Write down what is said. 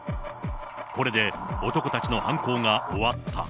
これで男たちの犯行が終わった。